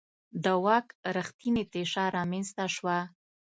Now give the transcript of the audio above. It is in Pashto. د واک رښتینې تشه رامنځته شوه.